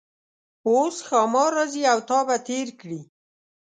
اوس ښامار راځي او تا به تیر کړي.